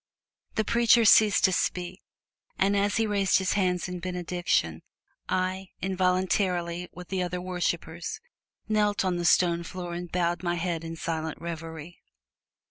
The preacher ceased to speak, and as he raised his hands in benediction, I, involuntarily, with the other worshipers, knelt on the stone floor and bowed my head in silent reverie.